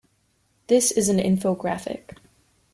This is an infographic.